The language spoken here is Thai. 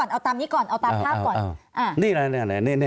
เอาตามนี้ก่อนเอาตามภาพก่อน